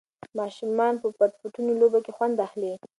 ماشومان په پټ پټوني لوبه کې خوند اخلي.